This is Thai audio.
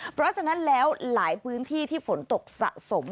เพราะฉะนั้นแล้วหลายพื้นที่ที่ฝนตกสะสม